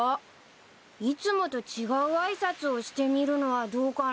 いつもと違う挨拶をしてみるのはどうかな？